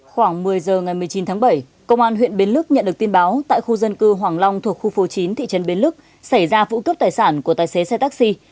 khoảng một mươi giờ ngày một mươi chín tháng bảy công an huyện bến lức nhận được tin báo tại khu dân cư hoàng long thuộc khu phố chín thị trấn bến lức xảy ra vụ cướp tài sản của tài xế xe taxi